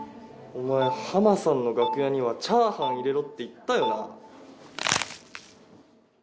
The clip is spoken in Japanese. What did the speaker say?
お前ハマさんの楽屋にはチャーハン入れろって言ったよな？